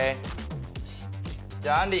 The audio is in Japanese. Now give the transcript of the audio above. じゃああんり。